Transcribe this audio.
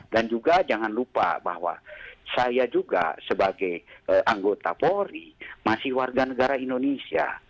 dan juga jangan lupa bahwa saya juga sebagai anggota polri masih warga negara indonesia